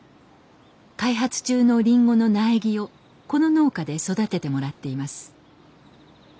開発中のリンゴの苗木をこの農家で育ててもらっています。